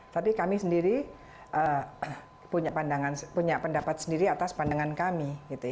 tapi kami sendiri punya pendapat sendiri atas pandangan kami